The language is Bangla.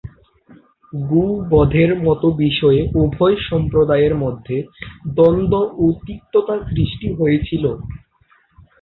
গো-বধের মতো বিষয়ে উভয় সম্প্রদায়ের মধ্যে দ্বন্দ্ব ও তিক্ততা সৃষ্টি হয়েছিল।